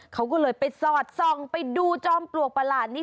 เขาก็เลยไปสอดส่องไปดูจอมปลวกประหลาดนี้